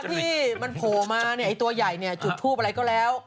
ต่อที่มันโผล่มาตัวใหญ่จุดทูบอะไรก็แล้ว